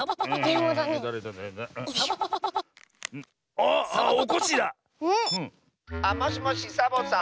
あっもしもしサボさん？